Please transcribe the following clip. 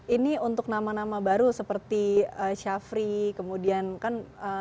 ini untuk nama nama baru seperti syafri kemudian kan